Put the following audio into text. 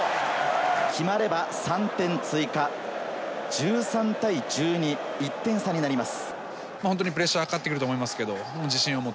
決まれば３点追加、１３対１２、１点差になります。